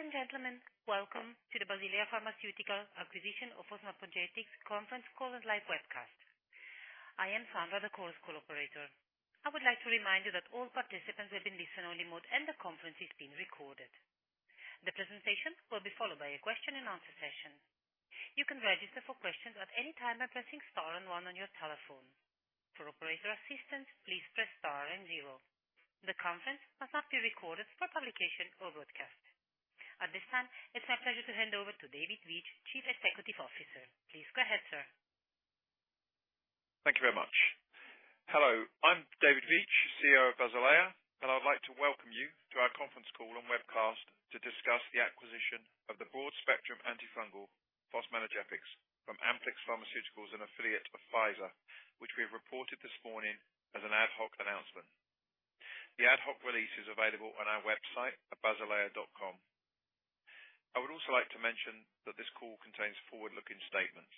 Ladies and gentlemen, welcome to the Basilea Pharmaceutica acquisition of fosmanogepix conference call and live webcast. I am Sandra, the call's call operator. I would like to remind you that all participants will be in listen-only mode, and the conference is being recorded. The presentation will be followed by a question and answer session. You can register for questions at any time by pressing star and one on your telephone. For operator assistance, please press star and zero. The conference must not be recorded for publication or broadcast. At this time, it's my pleasure to hand over to David Veitch, Chief Executive Officer. Please go ahead, sir. Thank you very much. Hello, I'm David Veitch, CEO of Basilea, and I'd like to welcome you to our conference call and webcast to discuss the acquisition of the broad-spectrum antifungal, fosmanogepix, from Amplyx Pharmaceuticals, an affiliate of Pfizer, which we have reported this morning as an ad hoc announcement. The ad hoc release is available on our website at basilea.com. I would also like to mention that this call contains forward-looking statements.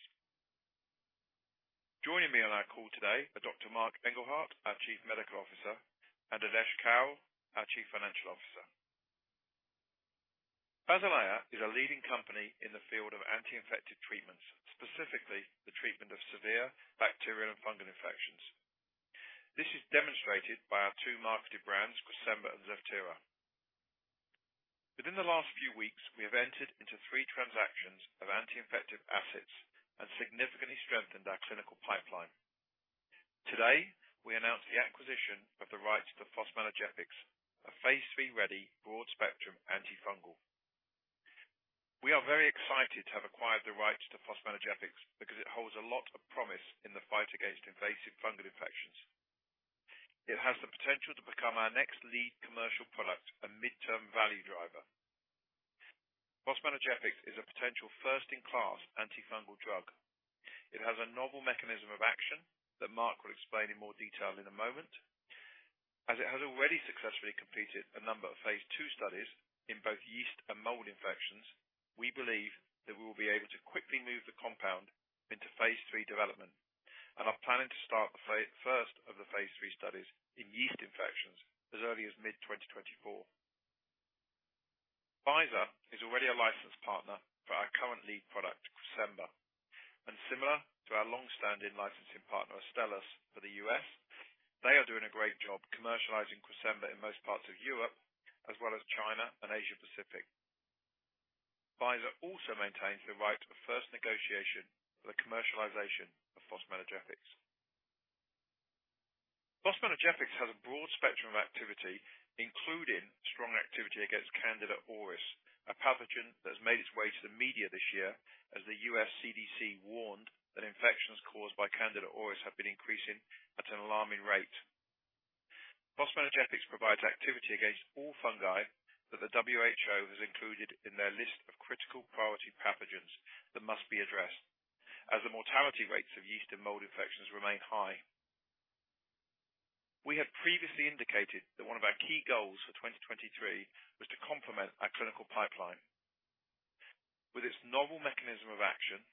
Joining me on our call today are Dr. Marc Engelhardt, our Chief Medical Officer, and Adesh Kaul, our Chief Financial Officer. Basilea is a leading company in the field of anti-infective treatments, specifically the treatment of severe bacterial and fungal infections. This is demonstrated by our two marketed brands, Cresemba and Zevtera. Within the last few weeks, we have entered into three transactions of anti-infective assets and significantly strengthened our clinical pipeline. Today, we announce the acquisition of the rights to the fosmanogepix, a phase III ready broad-spectrum antifungal. We are very excited to have acquired the rights to fosmanogepix because it holds a lot of promise in the fight against invasive fungal infections. It has the potential to become our next lead commercial product and midterm value driver. Fosmanogepix is a potential first-in-class antifungal drug. It has a novel mechanism of action that Marc will explain in more detail in a moment. As it has already successfully completed a number of phase II studies in both yeast and mold infections, we believe that we will be able to quickly move the compound into phase III development and are planning to start the first of the phase III studies in yeast infections as early as mid-2024. Pfizer is already a licensed partner for our current lead product, Cresemba, and similar to our long-standing licensing partner, Astellas, for the US, they are doing a great job commercializing Cresemba in most parts of Europe, as well as China and Asia Pacific. Pfizer also maintains the right of first negotiation for the commercialization of fosmanogepix. Fosmanogepix has a broad spectrum of activity, including strong activity against Candida auris, a pathogen that has made its way to the media this year, as the U.S. CDC warned that infections caused by Candida auris have been increasing at an alarming rate. Fosmanogepix provides activity against all fungi that the WHO has included in their list of critical priority pathogens that must be addressed, as the mortality rates of yeast and mold infections remain high. We have previously indicated that one of our key goals for 2023 was to complement our clinical pipeline. With its novel mechanism of action,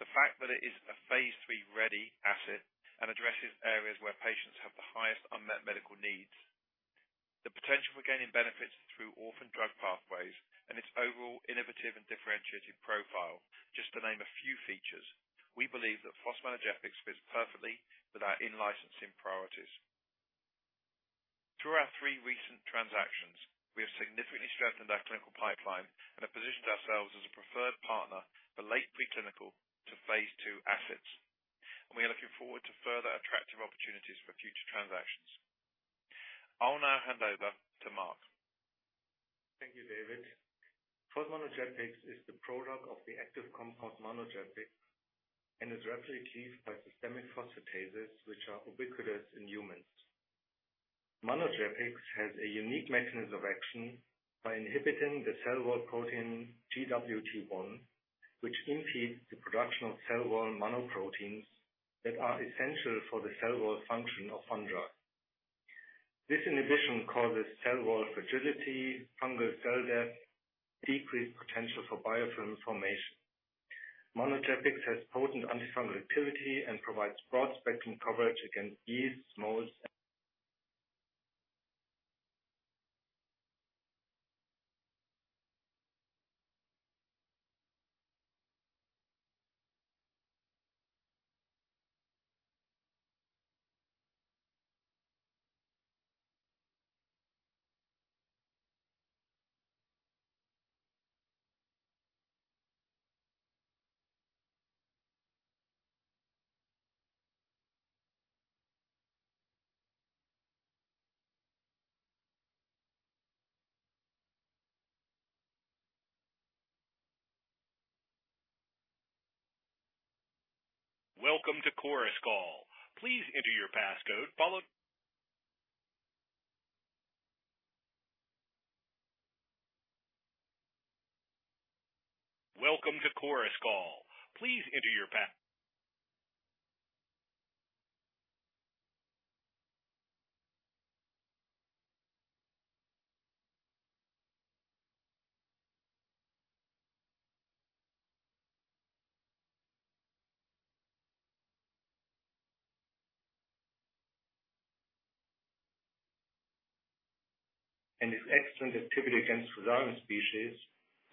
the fact that it is a phase III-ready asset and addresses areas where patients have the highest unmet medical needs, the potential for gaining benefits through orphan drug pathways, and its overall innovative and differentiated profile, just to name a few features, we believe that fosmanogepix fits perfectly with our in-licensing priorities. Through our three recent transactions, we have significantly strengthened our clinical pipeline and have positioned ourselves as a preferred partner for late preclinical to phase II assets, and we are looking forward to further attractive opportunities for future transactions. I'll now hand over to Marc. Thank you, David. Fosmanogepix is the prodrug of the active compound, manogepix, and is rapidly cleared by systemic phosphatases, which are ubiquitous in humans. Manogepix has a unique mechanism of action by inhibiting the cell wall protein Gwt1, which impedes the production of cell wall monoproteins that are essential for the cell wall function of fungi. This inhibition causes cell wall fragility, fungal cell death, decreased potential for biofilm formation. Manogepix has potent antifungal activity and provides broad-spectrum coverage against yeast, molds, and its excellent activity against Fusarium species,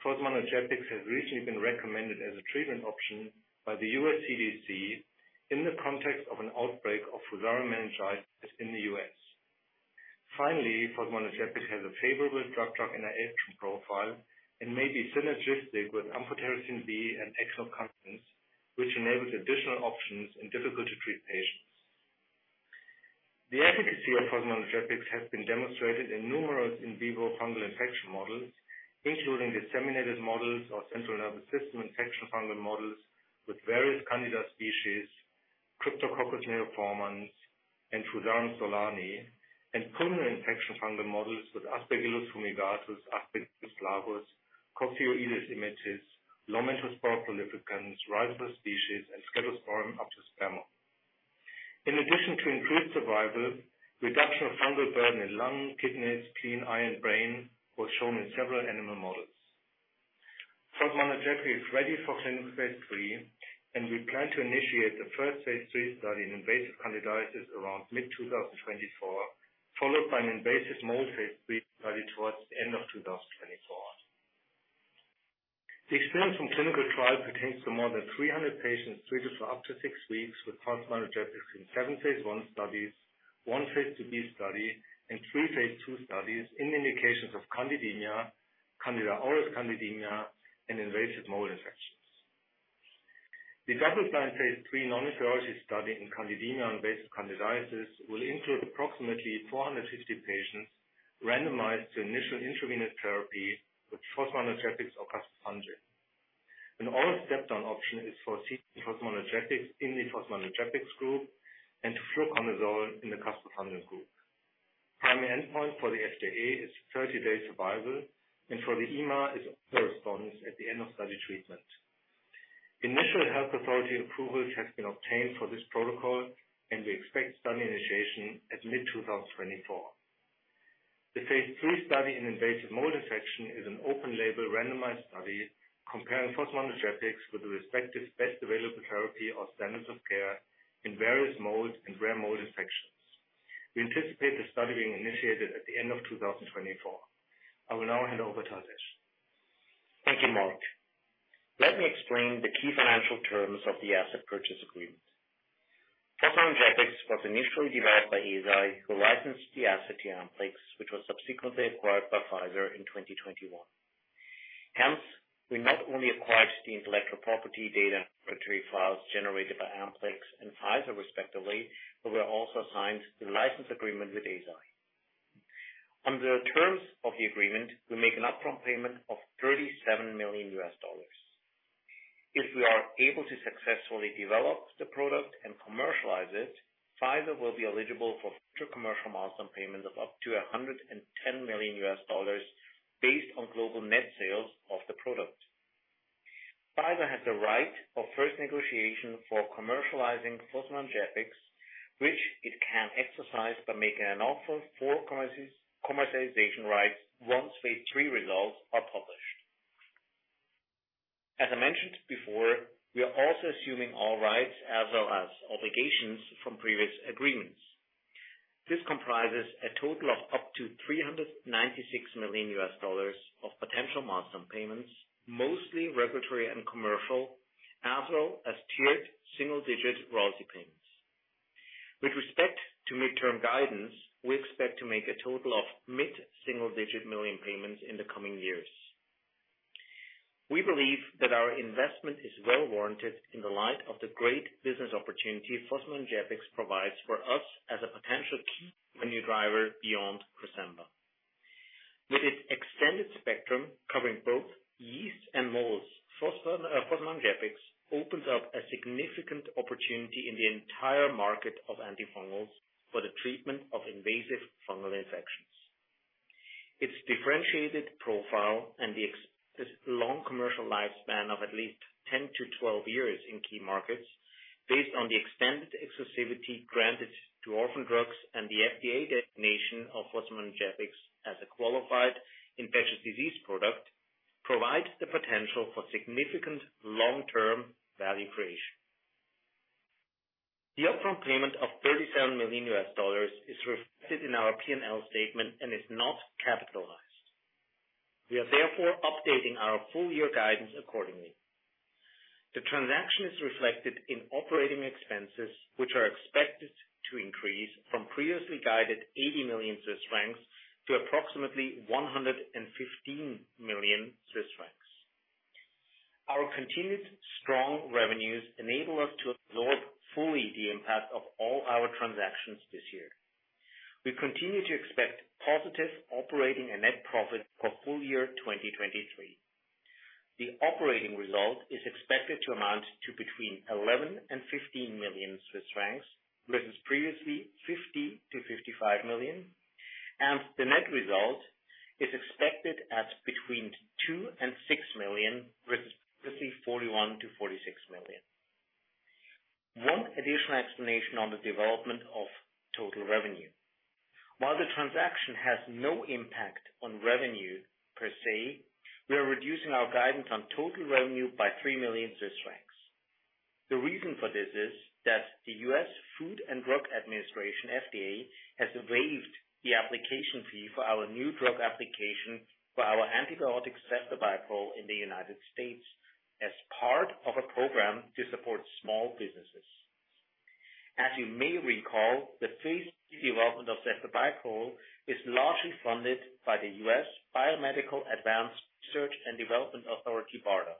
fosmanogepix has recently been recommended as a treatment option by the U.S. CDC in the context of an outbreak of Fusarium meningitis in the U.S. Finally, fosmanogepix has a favorable drug-drug interaction profile and may be synergistic with amphotericin B and echinocandins, which enables additional options in difficult to treat patients. The efficacy of fosmanogepix has been demonstrated in numerous in vivo fungal infection models, including disseminated models of central nervous system infection, fungal models with various Candida species, Cryptococcus neoformans, and Fusarium solani, and pulmonary infection fungal models with Aspergillus fumigatus, Aspergillus flavus, Coccidioides immitis, Lomentospora prolificans, Rhizopus species, and Scedosporium apiospermum. In addition to improved survival, reduction of fungal burden in lung, kidneys, spleen, eye, and brain was shown in several animal models. Fosmanogepix is ready for clinical phase III, and we plan to initiate the first phase III study in invasive candidiasis around mid-2024, followed by an invasive mold phase III study toward the end of 2024. The experience from clinical trial pertains to more than 300 patients treated for up to six weeks with Fosmanogepix in seven phase I studies, one phase II-B study, and three phase II studies in indications of candidemia, Candida Auris candidemia, and invasive mold infections. The double-blind phase III non-inferiority study in candidemia invasive candidiasis will include approximately 450 patients randomized to initial intravenous therapy with Fosmanogepix or Caspofungin. An oral step-down option is for fosmanogepix in the Fosmanogepix group and fluconazole in the Caspofungin group. Primary endpoint for the FDA is 30-day survival, and for the EMA is overall response at the end of study treatment. Initial health authority approval has been obtained for this protocol, and we expect study initiation at mid-2024. The phase III study in invasive mold infection is an open-label, randomized study comparing fosmanogepix with the respective best available therapy or standards of care in various mold and rare mold infections. We anticipate the study being initiated at the end of 2024. I will now hand over to Adesh. Thank you, Marc. Let me explain the key financial terms of the asset purchase agreement. Fosmanogepix was initially developed by Eisai, who licensed the asset to Amplyx, which was subsequently acquired by Pfizer in 2021. Hence, we not only acquired the intellectual property data, regulatory files generated by Amplyx and Pfizer respectively, but we also signed the license agreement with Eisai. Under the terms of the agreement, we make an upfront payment of $37 million. If we are able to successfully develop the product and commercialize it, Pfizer will be eligible for future commercial milestone payments of up to $110 million, based on global net sales of the product. Pfizer has the right of first negotiation for commercializing fosmanogepix, which it can exercise by making an offer for commercialization rights once phase III results are published. As I mentioned before, we are also assuming all rights as well as obligations from previous agreements. This comprises a total of up to $396 million of potential milestone payments, mostly regulatory and commercial, as well as tiered single-digit royalty payments. With respect to mid-term guidance, we expect to make a total of mid-single-digit $ million payments in the coming years. We believe that our investment is well warranted in the light of the great business opportunity Fosmanogepix provides for us as a potential key revenue driver beyond Cresemba. With its extended spectrum covering both yeast and molds, Fosmanogepix opens up a significant opportunity in the entire market of antifungals for the treatment of invasive fungal infections. Its differentiated profile and the exceptionally long commercial lifespan of at least 10 to 12 years in key markets, based on the extended exclusivity granted to orphan drugs and the FDA designation of fosmanogepix as a qualified infectious disease product, provides the potential for significant long-term value creation. The upfront payment of $37 million is reflected in our P&L statement and is not capitalized. We are therefore updating our full-year guidance accordingly. The transaction is reflected in operating expenses, which are expected to increase from previously guided 80 million Swiss francs to approximately 115 million Swiss francs. Our continued strong revenues enable us to absorb fully the impact of all our transactions this year. We continue to expect positive operating and net profit for full year 2023. The operating result is expected to amount to between 11 million and 15 million Swiss francs, versus previously 50 million to 55 million, and the net result is expected at between 2 million and 6 million, versus previously 41 million to 46 million. One additional explanation on the development of total revenue. While the transaction has no impact on revenue per se, we are reducing our guidance on total revenue by 3 million Swiss francs. The reason for this is that the U.S. Food and Drug Administration, FDA, has waived the application fee for our new drug application for our antibiotic, ceftobiprole, in the United States as part of a program to support small businesses. As you may recall, the phase II development of ceftobiprole is largely funded by the U.S. Biomedical Advanced Research and Development Authority, BARDA.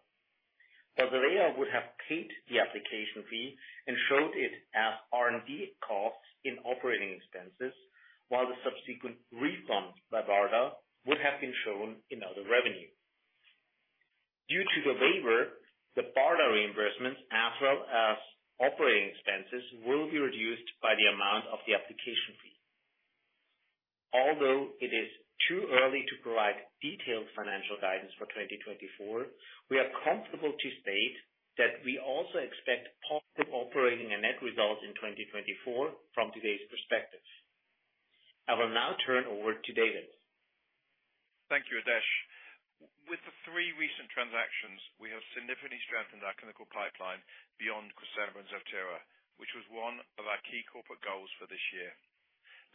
But they would have paid the application fee and shown it as R&D costs in operating expenses, while the subsequent refund by BARDA would have been shown in other revenue. Due to the waiver, the BARDA reimbursements, as well as operating expenses, will be reduced by the amount of the application fee. Although it is too early to provide detailed financial guidance for 2024, we are comfortable to state that we also expect positive operating and net results in 2024 from today's perspective. I will now turn over to David. Thank you, Adesh. With the three recent transactions, we have significantly strengthened our clinical pipeline beyond Cresemba and Zevtera, which was one of our key corporate goals for this year.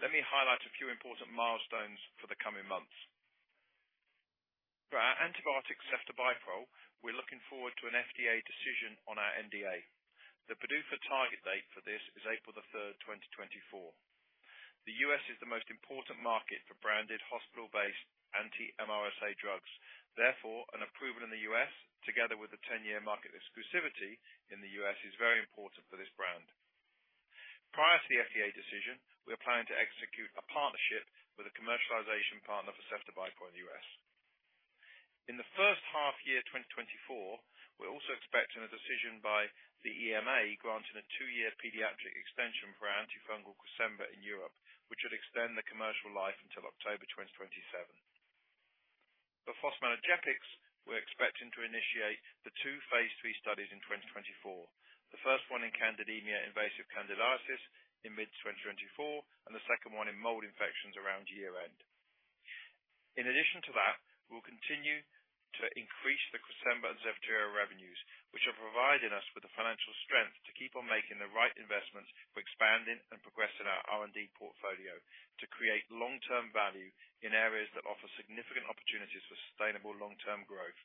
Let me highlight a few important milestones for the coming months. For our antibiotic, ceftobiprole, we're looking forward to an FDA decision on our NDA. The PDUFA target date for this is April 3, 2024. The U.S. is the most important market for branded hospital-based anti-MRSA drugs. Therefore, an approval in the U.S., together with the 10-year market exclusivity in the U.S., is very important for this brand. Prior to the FDA decision, we are planning to execute a partnership with a commercialization partner for ceftobiprole in the U.S. In the first half year, 2024, we're also expecting a decision by the EMA, granting a two-year pediatric extension for our antifungal Cresemba in Europe, which would extend the commercial life until October 2027. For fosmanogepix, we're expecting to initiate the two phase III studies in 2024. The first one in candidemia invasive candidiasis in mid-2024, and the second one in mold infections around year-end. In addition to that, we'll continue to increase the Cresemba and Zevtera revenues, which are providing us with the financial strength to keep on making the right investments for expanding and progressing our R&D portfolio, to create long-term value in areas that offer significant opportunities for sustainable long-term growth.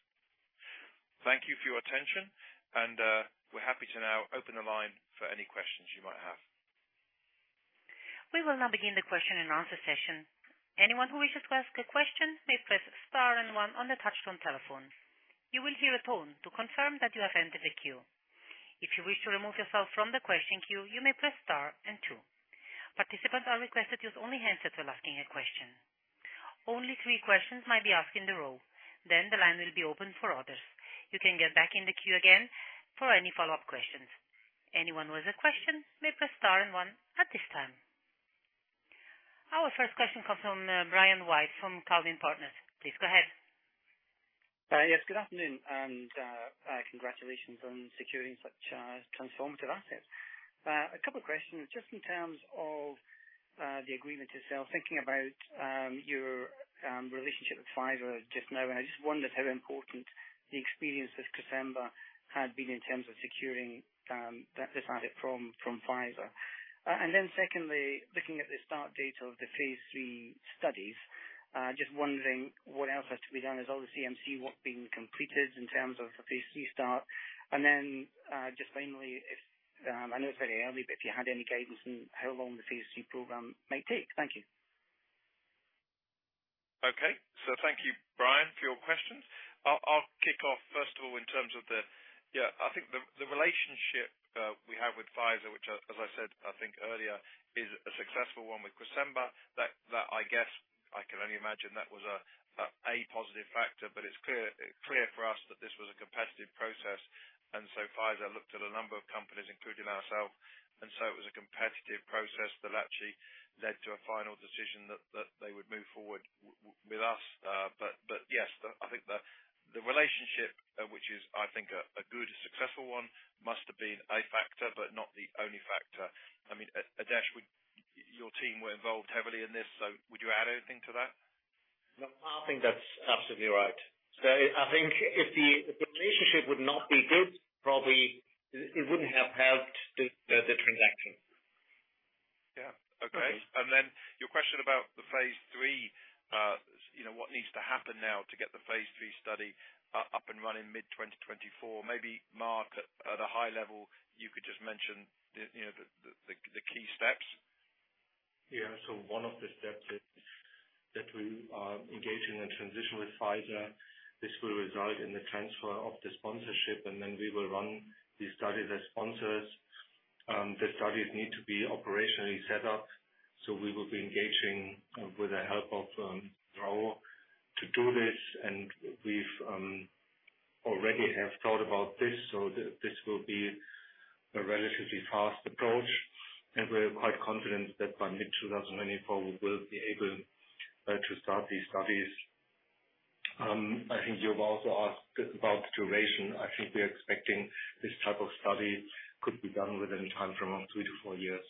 Thank you for your attention, and we're happy to now open the line for any questions you might have. We will now begin the question and answer session. Anyone who wishes to ask a question may press star and one on the touch-tone telephones. You will hear a tone to confirm that you have entered the queue. If you wish to remove yourself from the question queue, you may press star and two. Participants are requested to use only hands that are asking a question. Only three questions might be asked in the row, then the line will be open for others. You can get back in the queue again for any follow-up questions. Anyone with a question, may press star and one at this time. Our first question comes from, Brian White, from Calvine Partners. Please go ahead. Yes, good afternoon, and congratulations on securing such transformative assets. A couple of questions, just in terms of the agreement itself, thinking about your relationship with Pfizer just now, and I just wondered how important the experience of Qsymia had been in terms of securing this asset from Pfizer. And then secondly, looking at the start date of the phase III studies, just wondering what else has to be done. Has all the CMC work been completed in terms of the phase III start? And then just finally, I know it's very early, but if you had any guidance on how long the phase III program may take. Thank you. Okay. So thank you, Brian, for your questions. I'll kick off, first of all, in terms of the... Yeah, I think the relationship we have with Pfizer, which, as I said, I think earlier, is a successful one with Qsymia, that I guess I can only imagine that was a positive factor, but it's clear for us that this was a competitive process. So Pfizer looked at a number of companies, including ourselves, and so it was a competitive process that actually led to a final decision that they would move forward with us. But yes, I think the relationship, which is, I think, a good, successful one, must have been a factor, but not the only factor. I mean, Adesh, would. Your team were involved heavily in this, so would you add anything to that? No, I think that's absolutely right. So I think if the relationship would not be good, probably it wouldn't have helped the transaction. Yeah. Okay. Then your question about the phase III, you know, what needs to happen now to get the phase III study up and running mid-2024, maybe. Marc, at a high level, you could just mention the, you know, the key steps. Yeah. So one of the steps is that we are engaging in transition with Pfizer. This will result in the transfer of the sponsorship, and then we will run the study as sponsors. The studies need to be operationally set up, so we will be engaging, with the help of, Raul, to do this, and we've already have thought about this, so this will be a relatively fast approach, and we're quite confident that by mid-2024, we will be able to start these studies. I think you've also asked about the duration. I think we are expecting this type of study could be done within time from around three to four years.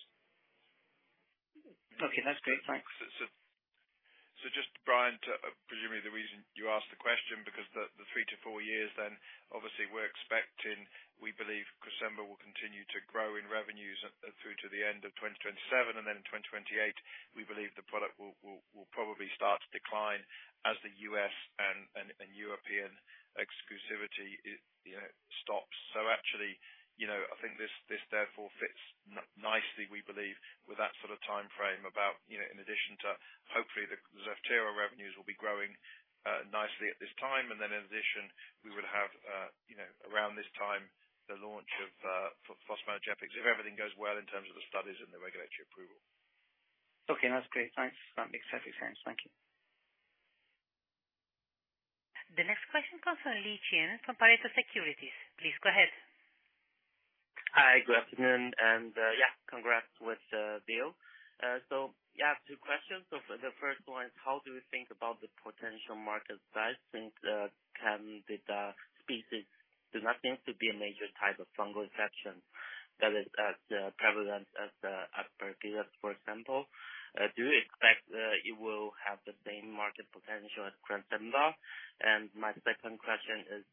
Okay, that's great. Thanks. So, just Brian, to presumably the reason you asked the question, because the three to four years, then obviously we're expecting, we believe Cresemba will continue to grow in revenues through to the end of 2027, and then in 2028, we believe the product will probably start to decline as the U.S. and European exclusivity, you know, stops. So actually, you know, I think this therefore fits nicely, we believe, with that sort of timeframe about, you know, in addition to hopefully the Zevtera revenues will be growing nicely at this time. And then in addition, we will have, you know, around this time, the launch of fosmanogepix, if everything goes well in terms of the studies and the regulatory approval. Okay, that's great. Thanks. That makes perfect sense. Thank you. The next question comes from Li Chen from Pareto Securities. Please go ahead. Hi, good afternoon, and yeah, congrats with the deal. So yeah, two questions. So for the first one, how do you think about the potential market size since candida species do not seem to be a major type of fungal infection that is as as Aspergillus, for example? Do you expect it will have the same market potential as Cresemba? And my second question is,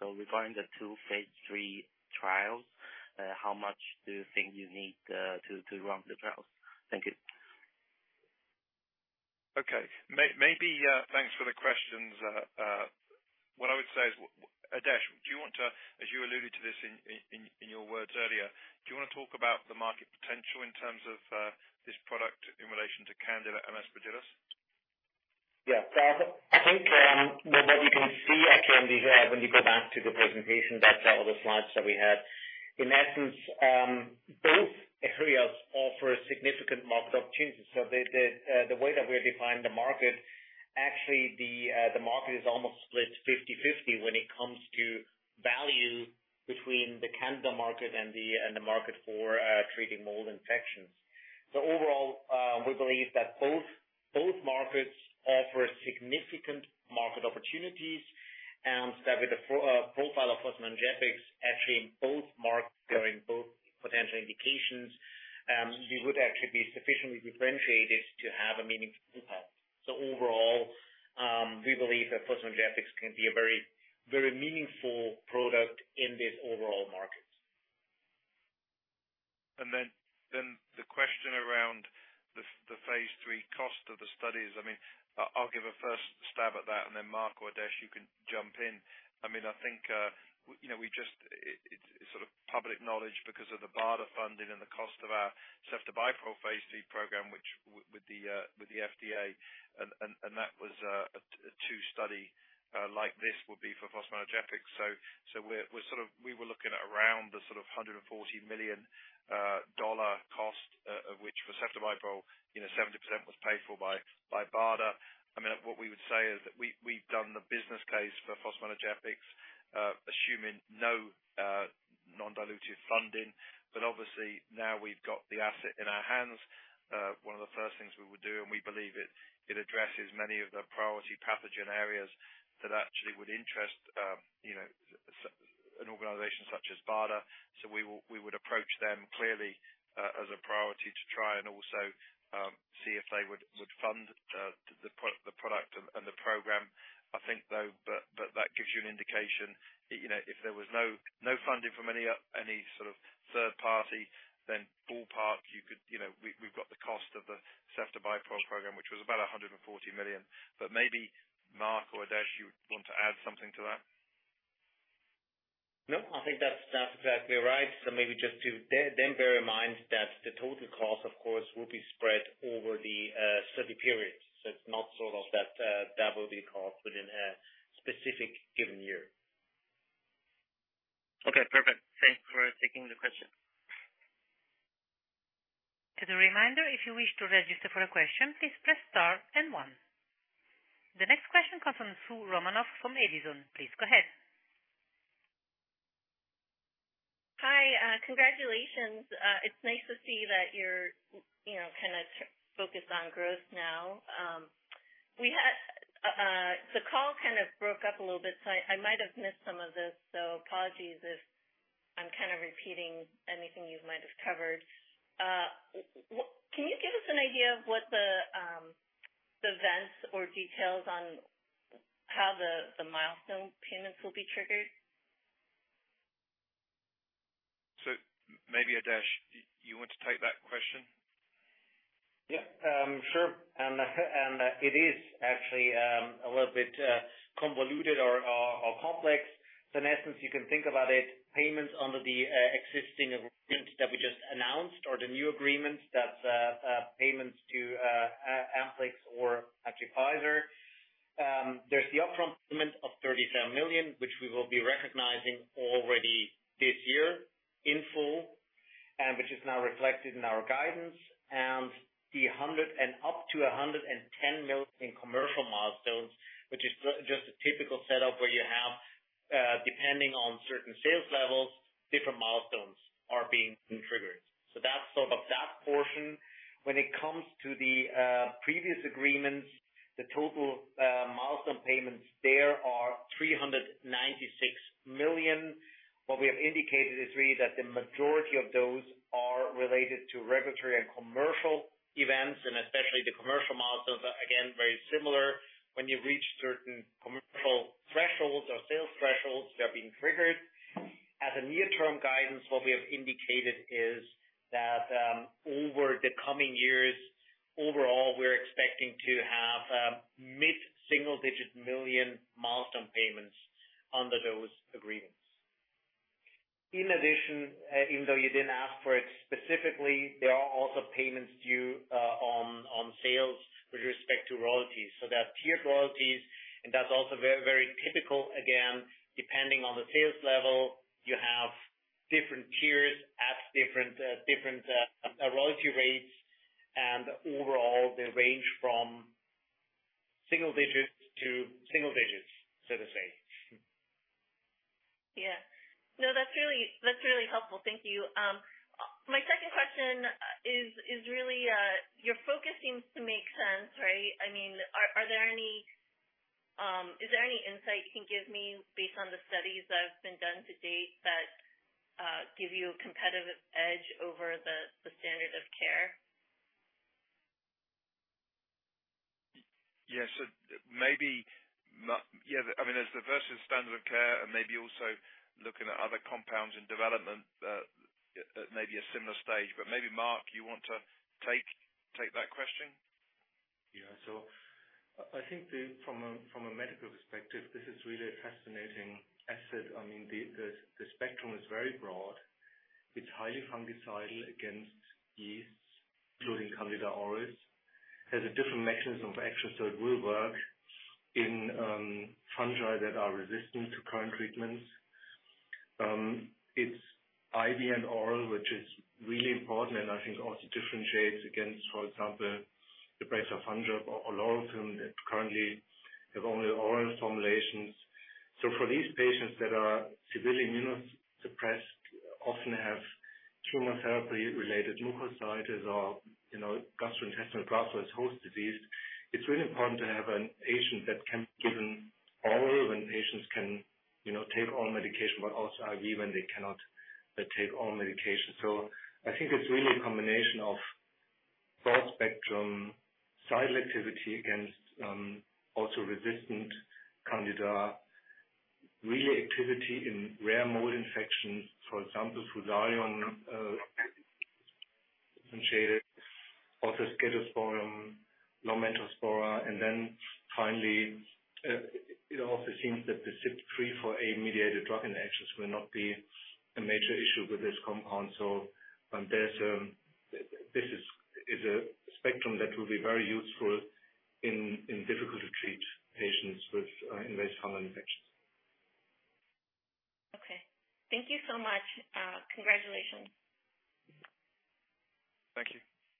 so regarding the two phase three trials, how much do you think you need to run the trials? Thank you. Okay. Maybe thanks for the questions. What I would say is, Adesh, do you want to, as you alluded to this in your words earlier, do you want to talk about the market potential in terms of this product in relation to Candida and Aspergillus? Yeah. So I think what you can see actually when you go back to the presentation, that's all the slides that we had. In essence, both areas offer significant market opportunities. So the way that we define the market, actually the market is almost split 50/50 when it comes to value between the Candida market and the market for treating mold infections. So overall, we believe that both markets offer significant market opportunities, and that with the profile of fosmanogepix, actually in both markets, during both potential indications, we would actually be sufficiently differentiated to have a meaningful impact. So overall, we believe that fosmanogepix can be a very, very meaningful product in this overall market. Then the question around the phase III cost of the studies. I mean, I'll give a first stab at that, and then Marc or Adesh, you can jump in. I mean, I think, you know, it's sort of public knowledge because of the BARDA funding and the cost of our Ceftobiprole phase III program, which with the with the FDA, and that was a two-study like this would be for fosmanogepix. So we're sort of we were looking at around the sort of $140 million cost, of which for ceftobiprole, you know, 70% was paid for by BARDA. I mean, what we would say is we, we've done the business case for fosmanogepix, assuming no non-dilutive funding. But obviously, now we've got the asset in our hands, one of the first things we would do, and we believe it addresses many of the priority pathogen areas that actually would interest, you know, an organization such as BARDA. So we would approach them clearly, as a priority to try and also see if they would fund the product and the program. I think, though, but that gives you an indication that, you know, if there was no funding from any sort of third party, then ballpark, we've got the cost of the ceftobiprole program, which was about 140 million. But maybe, Marc or Adesh, you want to add something to that? No, I think that's exactly right. So maybe just to then bear in mind that the total cost, of course, will be spread over the study periods. So it's not sort of that that will be caught within a specific given year. Okay, perfect. Thanks for taking the question. As a reminder, if you wish to register for a question, please press star and one. The next question comes from Soo Romanoff, from Edison Group. Please go ahead. Hi, congratulations. It's nice to see that you're, you know, kind of focused on growth now. We had the call kind of broke up a little bit, so I might have missed some of this, so apologies if I'm kind of repeating anything you might have covered. Can you give us an idea of what the events or details on how the milestone payments will be triggered? So maybe, Adesh, you want to take that question? Yeah, sure. And it is actually a little bit convoluted or complex. So in essence, you can think about it, payments under the existing agreement that we just announced, or the new agreement, that's payments to Amplyx or actually Pfizer. There's the upfront payment of $37 million, which we will be recognizing already this year in full, and which is now reflected in our guidance, and the $100 million up to $110 million in commercial milestones, which is just a typical setup, where you have, depending on certain sales levels, different milestones are being triggered. So that's sort of that portion. When it comes to the previous agreements, the total milestone payments there are $396 million. What we have indicated is really that the majority of those are related to regulatory and commercial events, and especially the commercial milestones are, again, very similar. When you reach certain commercial thresholds or sales thresholds, they are being triggered. As a near-term guidance, what we have indicated is that over the coming years, overall, we're expecting to have CHF mid-single-digit million milestone payments under those agreements. In addition, even though you didn't ask for it specifically, there are also payments due on sales with respect to royalties. So there are tiered royalties, and that's also very, very typical. Again, depending on the sales level, you have different tiers at different royalty rates, and overall, they range from single digits to single digits, so to say. Yeah. No, that's really, that's really helpful. Thank you. My second question is really your focus seems to make sense, right? Is there any insight you can give me based on the studies that have been done to date that give you a competitive edge over the standard of care? Yes. So maybe not. Yeah, I mean, there's the versus standard of care and maybe also looking at other compounds in development that, at maybe a similar stage. But maybe, Marc, you want to take, take that question? Yeah. So I think from a medical perspective, this is really a fascinating asset. I mean, the spectrum is very broad. It's highly fungicidal against yeasts, including Candida Auris. It has a different mechanism of action, so it will work in fungi that are resistant to current treatments. It's IV and oral, which is really important, and I think also differentiates against, for example, Rezafungin or Olorofim, that currently have only oral formulations. So for these patients that are severely immunosuppressed, often have chemotherapy-related mucositis or, you know, gastrointestinal graft-versus-host disease, it's really important to have an agent that can be given oral, when patients can, you know, take oral medication, but also IV when they cannot take oral medication. So I think it's really a combination of broad-spectrum, cidal activity against, also resistant Candida, really activity in rare mold infections, for example, Fusarium, differentiated, also Scedosporium, Lomentospora. And then finally, it also seems that the CYP3A4 mediated drug interactions will not be a major issue with this compound. So there's, this is a spectrum that will be very useful in, in difficult-to-treat patients with, invasive fungal infections. Okay. Thank you so much. Congratulations. Thank you.